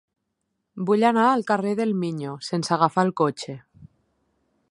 Vull anar al carrer del Miño sense agafar el cotxe.